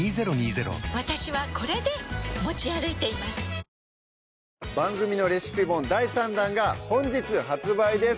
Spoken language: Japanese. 大丈夫です番組のレシピ本第３弾が本日発売です